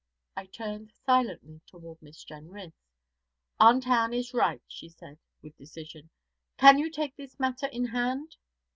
I turned silently toward Miss Jenrys. 'Aunt Ann is right,' she said, with decision. 'Can you take this matter in hand?'